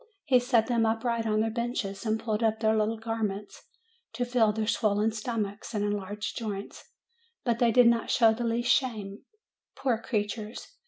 He set them upright on their benches and pulled up their little garments, to feel their swollen stom achs and enlarged joints; but they did not show the least shame, poor creatures